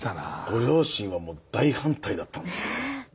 ご両親はもう大反対だったんですね。